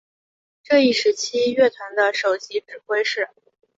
这一时期乐团的首席指挥是。